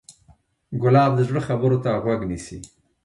ګلاب د زړه خبرو ته غوږ نیسي.